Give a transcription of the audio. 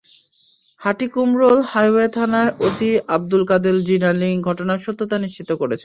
Hatikumrul highway থানার OC Abdul Kader Jilani ঘটনার সত্যতা নিশ্চিত করেছেন।